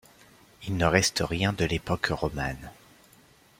Il ne reste rien de l'époque romane.